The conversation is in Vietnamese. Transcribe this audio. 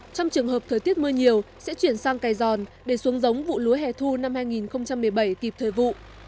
trong trường hợp thời tiết mưa nhiều sẽ chuyển sang cày giòn để xuống giống vụ lúa hẻ thu năm hai nghìn một mươi bảy kịp thời vụ